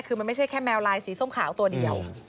คือมันไม่ใช่แค่แมวลายสีส้มขาวตัวเดียว